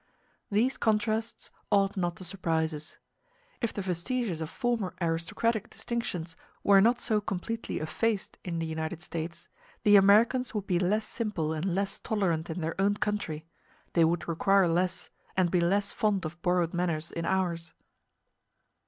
These contrasts ought not to surprise us. If the vestiges of former aristocratic distinctions were not so completely effaced in the United States, the Americans would be less simple and less tolerant in their own country they would require less, and be less fond of borrowed manners in ours.